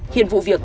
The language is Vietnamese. hiện vụ việc